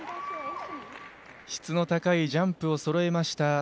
質の高いジャンプをそろえました。